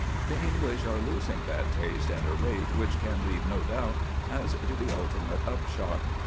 The English are losing that taste at a rate which can leave no doubt as to the ultimate upshot.